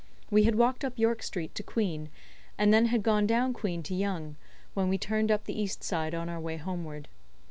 We had walked up York Street to Queen, and then had gone down Queen to Yonge, when we turned up the east side on our way homeward.